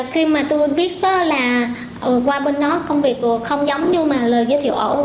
khi mà tôi biết là qua bên đó công việc không giống như mà lời giới thiệu ẩu